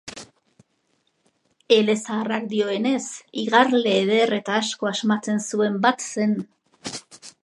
Elezaharrak dioenez, igarle eder eta asko asmatzen zuen bat zen.